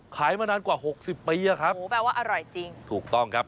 มานานกว่าหกสิบปีอะครับโอ้โหแปลว่าอร่อยจริงถูกต้องครับ